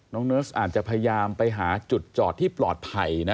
เนิร์สอาจจะพยายามไปหาจุดจอดที่ปลอดภัย